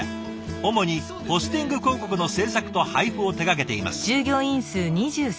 主にポスティング広告の制作と配布を手がけています。